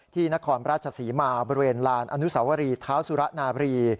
นครราชศรีมาบริเวณลานอนุสวรีเท้าสุระนาบรี